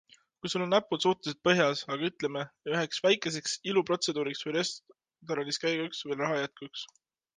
Kas sul on näpud suhteliselt põhjas, aga ütleme, üheks väikeseks iluprotseduuriks või restoraniskäiguks veel raha jätkuks?